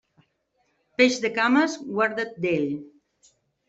Peix de cames, guarda't d'ell.